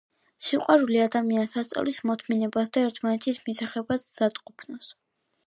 სიყვარული ადამიანს ასწავლის მოთმინებას და ერთმანეთის მისაღებად მზადყოფნას.